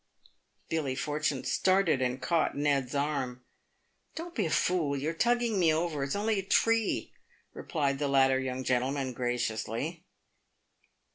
Billy Fortune started, and caught Ned's arm. " Don't be a fool — you're tugging me over. It's only a tree," re » plied the latter young gentleman, graciously.